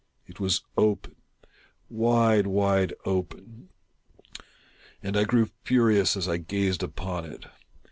It was open — wide, wide open — and I grew furious as I gazed upon it.